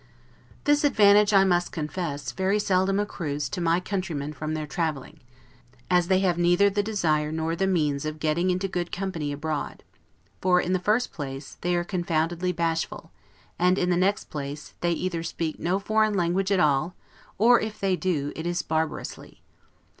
This advantage, I must confess, very seldom accrues to my countrymen from their traveling; as they have neither the desire nor the means of getting into good company abroad; for, in the first place, they are confoundedly bashful; and, in the next place, they either speak no foreign language at all, or if they do, it is barbarously.